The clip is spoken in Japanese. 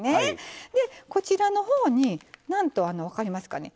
こちらのほうになんと分かりますかね